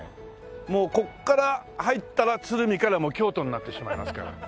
もうここから入ったら鶴見から京都になってしまいますから。